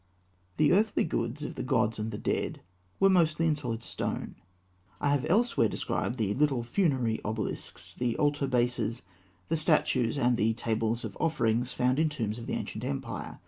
The earthly goods of the gods and of the dead were mostly in solid stone. I have elsewhere described the little funerary obelisks, the altar bases, the statues, and the tables of offerings found in tombs of the ancient empire.